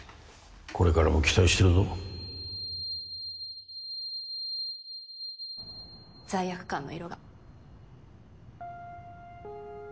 これからも期待してるぞ「罪悪感」の色が。